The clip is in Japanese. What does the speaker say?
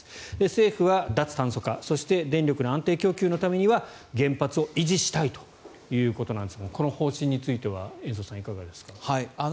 政府は脱炭素化そして電力の安定供給のためには原発を維持したいということなんですがこの方針については延増さん、いかがですか。